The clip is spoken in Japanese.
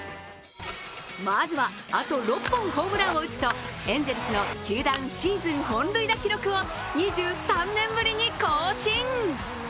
まずは、あと６本ホームランを打つとエンゼルスの球団シーズン本塁打記録を２３年ぶりの更新！